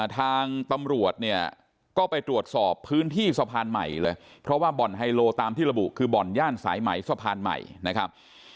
ทางตำรวจเนี่ยก็ไปตรวจสอบพื้นที่สะพานใหม่เลยเพราะว่าบ่อนไฮโลตามที่ระบุคือบ่อนย่านสายไหมสะพานใหม่นะครับ